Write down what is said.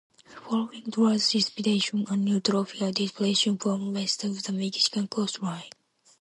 Following Dora's dissipation, a new tropical depression formed west of the Mexican coastline.